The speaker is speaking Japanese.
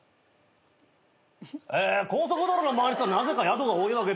え高速道路の周りっていうのはなぜか宿が多いわけで。